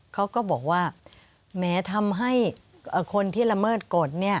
เขาก็บอกว่าแม้ทำให้คนที่ละเมิดกฎเนี่ย